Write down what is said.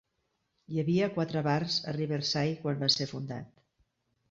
Hi havia quatre bars a Riverside quan va ser fundat.